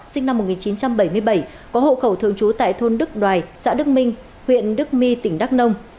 sinh năm một nghìn chín trăm bảy mươi bảy có hộ khẩu thường trú tại thôn đức đoài xã đức minh huyện đức my tỉnh đắk nông